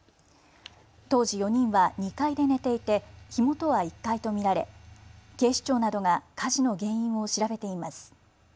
当時４人は２階で寝ていて火元は１階と見られ警視庁などが火事の原因を調べています。